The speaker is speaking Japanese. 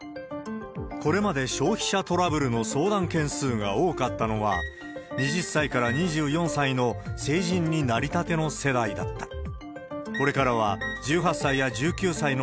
これまで消費者トラブルの相談件数が多かったのは、２０歳から２４歳の成人になりたての世代だった。